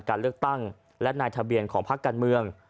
การเลือกตั้งและนายทะเบียนของภาคการเมือง